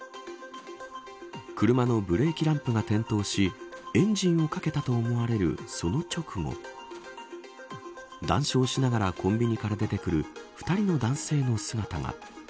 車のブレーキランプが点灯しエンジンをかけたと思われるその直後談笑しながらコンビニから出てくる２人の男性の姿が。